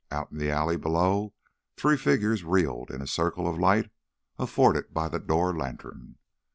Out in the alley below, three figures reeled in the circle of light afforded by the door lantern.